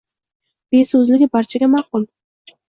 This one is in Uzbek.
Beso‘zligi barchaga ma’qul…